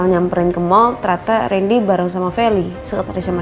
mas al nyamperin ke mall ternyata randy bareng sama feli sekretarisnya mas al